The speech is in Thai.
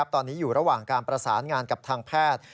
ตอนนี้อยู่ระหว่างการประสานงานกับทางแพทย์